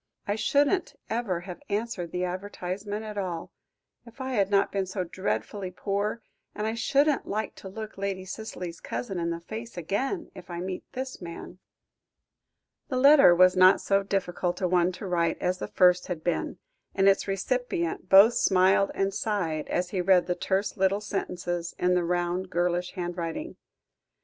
"I shouldn't ever have answered the advertisement at all, if I had not been so dreadfully poor, and I shouldn't like to look Lady Cicely's cousin in the face again if I met this man." The letter was not so difficult a one to write as the first had been, and its recipient both smiled and sighed, as he read the terse little sentences in the round, girlish handwriting.